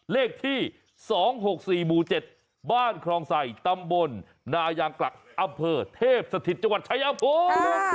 เลขที่๒๖๔หมู่๗บ้านครองใส่ตำบลนายางกลักอำเภอเทพสถิตจังหวัดชายภูมิ